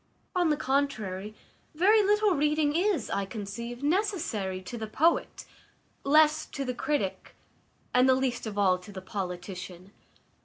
On the contrary, very little reading is, I conceive, necessary to the poet, less to the critic, and the least of all to the politician.